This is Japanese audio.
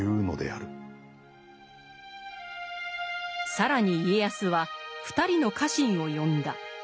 更に家康は２人の家臣を呼んだ。